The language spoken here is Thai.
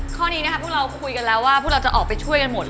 ข้อนี้นะคะพวกเราคุยกันแล้วว่าพวกเราจะออกไปช่วยกันหมด